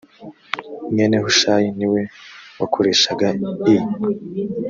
mwene hushayi ni we wakoreshaga i